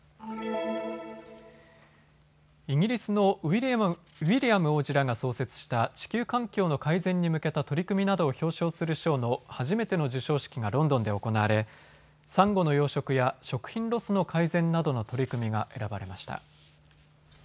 イギリスのウィリアム王子らが創設した地球環境の改善に向けた取り組みなどを表彰する賞の初めての授賞式がロンドンで行われサンゴの養殖や食品ロスの改善などの取り組みが選ばれました。